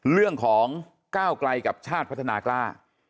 เรื่องของก้าวไกลกับชาติพัฒนากล้า